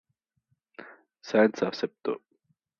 Zaentz aceptó.